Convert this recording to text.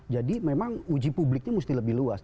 jadi memang uji publiknya mesti lebih luas